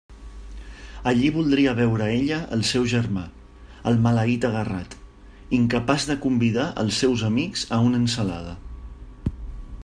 Allí voldria veure ella el seu germà, el maleït agarrat, incapaç de convidar els seus amics a una ensalada.